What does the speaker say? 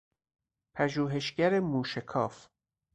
پژوهشگر موشکاف